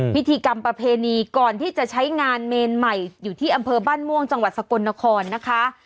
พิธีกรรมประเพณีก่อนที่จะใช้งานเมนใหม่อยู่ที่อำเภอบ้านม่วงจังหวัดสกลนครนะคะ